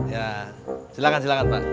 ya silahkan silahkan pak